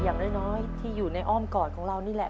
อย่างน้อยที่อยู่ในอ้อมกอดของเรานี่แหละ